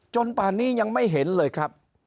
ป่านนี้ยังไม่เห็นเลยครับ